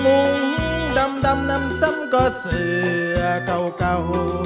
มุมดำดำดำซ้ำก็เสือเก่าเก่า